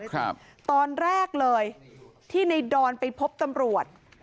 ครับตอนแรกเลยที่ในดอนไปพบตำรวจ